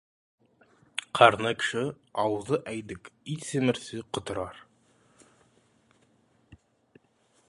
Қарны кіші, аузы әйдік, ит семірсе, құтырар.